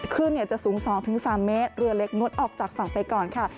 ขึ้นจะสูง๒๓เมตรเรือเล็กงดออกจากฝั่งไปก่อนค่ะ